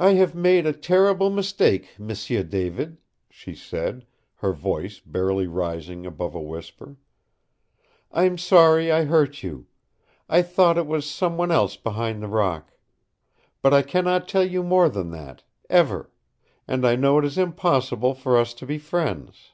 "I have made a terrible mistake, m'sieu David," she said, her voice barely rising above a whisper. "I'm sorry I hurt you. I thought it was some one else behind the rock. But I can not tell you more than that ever. And I know it is impossible for us to be friends."